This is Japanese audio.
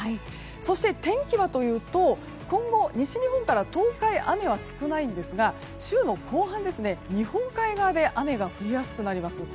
そして天気は今後西日本から東海雨は少ないんですが週の後半、日本海側で雨が降りやすくなります。